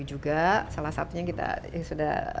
juga salah satunya kita yang sudah